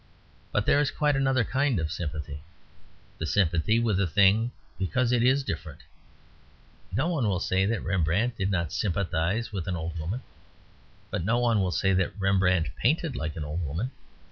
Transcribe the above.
But there is quite another kind of sympathy the sympathy with a thing because it is different. No one will say that Rembrandt did not sympathise with an old woman; but no one will say that Rembrandt painted like an old woman.